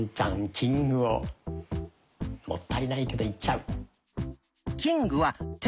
キングをもったいないけどいっちゃう。